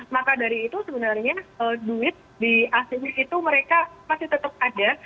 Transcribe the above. maka dari itu sebenarnya duit di asing itu mereka masih tetap ada